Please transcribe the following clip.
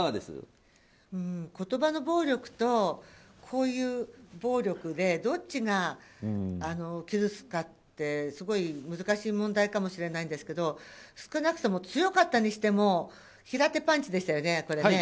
言葉の暴力と、こういう暴力でどっちが傷つくかってすごい難しい問題かもしれないんですけど少なくとも、強かったにしても平手パンチでしたよね。